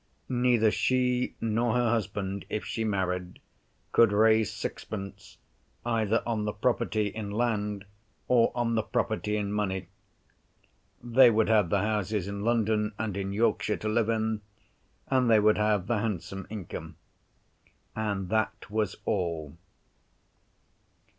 Neither she, nor her husband (if she married), could raise sixpence, either on the property in land, or on the property in money. They would have the houses in London and in Yorkshire to live in, and they would have the handsome income—and that was all.